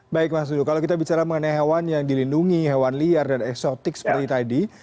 baik mas dudu kalau kita bicara mengenai hewan yang dilindungi hewan liar dan eksotik seperti tadi